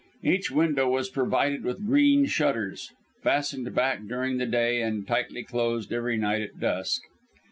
Each window was provided with green shutters, fastened back during the day and tightly closed every night at dusk.